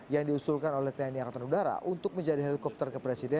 yang diusulkan oleh tni angkatan udara untuk menjadi helikopter kepresidenan